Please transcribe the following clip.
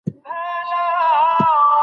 غرونه د افغانانو د معیشت سرچینه ده.